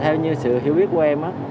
theo như sự hiểu biết của em